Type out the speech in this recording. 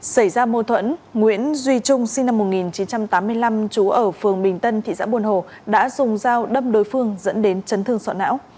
xảy ra mâu thuẫn nguyễn duy trung sinh năm một nghìn chín trăm tám mươi năm trú ở phường bình tân thị xã buồn hồ đã dùng dao đâm đối phương dẫn đến chấn thương sọ não